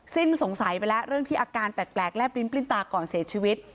สิ้นสงสัยไปแล้วเรื่องที่อาการแปลกและปริ้นปลิ้นตาก่อนเสียชีวิต